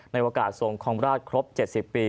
ในโอกาสทรงครองราชครบ๗๐ปี